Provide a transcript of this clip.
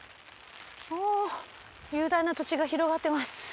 おぉ雄大な土地が広がってます。